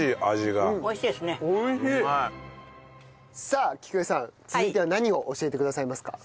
さあ菊枝さん続いては何を教えてくださいますか？